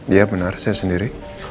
iya benar saya sendiri